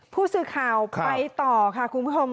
ผู้สื่อข่าวไปต่อค่ะคุณผู้ชม